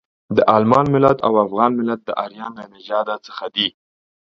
د المان ملت او افغان ملت د ارین له نژاده څخه دي.